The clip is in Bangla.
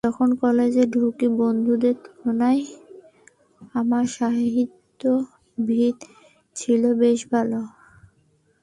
যখন কলেজে ঢুকি, বন্ধুদের তুলনায় আমার সাহিত্যের ভিত ছিল বেশ ভালো।